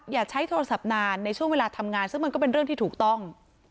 อย่าใช้โทรศัพท์นานในช่วงเวลาทำงานซึ่งมันก็เป็นเรื่องที่ถูกต้อง